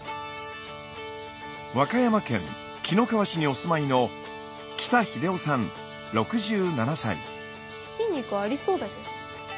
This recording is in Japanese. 和歌山県紀の川市にお住まいの筋肉ありそうだよ。